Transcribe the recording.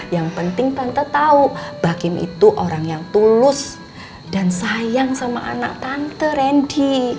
yang penting tante tahu bakim itu orang yang tulus dan sayang sama anak tante randy